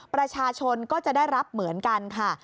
ประชาชนก็จะได้รับเหมือนกันค่ะ